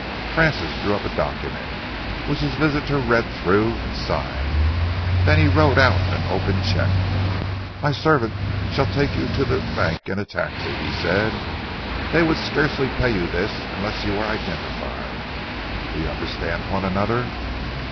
Francis drew up a document, which his visitor read through and signed. Then he wrote out an open cheque. "My servant shall take you to the bank in a taxi," he said. "They would scarcely pay you this unless you were identified. We understand one another?"